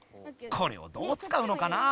これをどうつかうのかな？